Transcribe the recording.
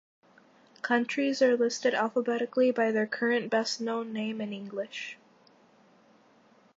Countries are listed alphabetically by their current best-known name in English.